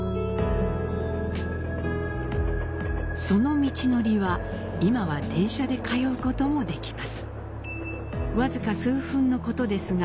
その道のりは、今は電車で通うこともできます。